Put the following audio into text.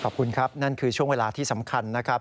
ขอบคุณครับนั่นคือช่วงเวลาที่สำคัญนะครับ